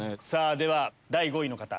では第５位の方。